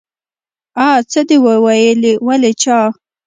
آ څه دې وويلې ولې چا.